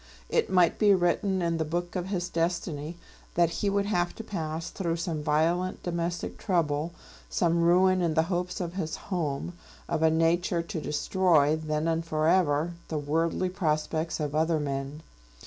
It might be written in the book of his destiny that he would have to pass through some violent domestic trouble, some ruin in the hopes of his home, of a nature to destroy then and for ever the worldly prospects of other men.